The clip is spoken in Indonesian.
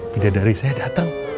bidadari saya datang